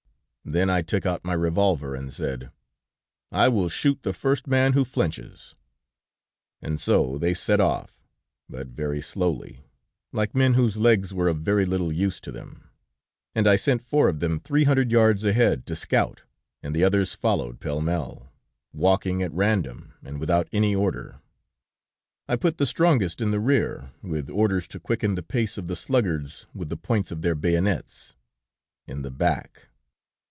Then I took out my revolver, and said: "'I will shoot the first man who flinches.' And so they set off, but very slowly, like men whose legs were of very little use to them, and I sent four of them three hundred yards ahead, to scout, and the others followed pell mell, walking at random and without any order. I put the strongest in the rear, with orders to quicken the pace of the sluggards with the points of their bayonets... in the back.